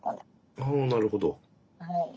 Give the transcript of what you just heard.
ああなるほど。